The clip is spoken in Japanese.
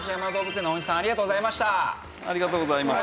ありがとうございます。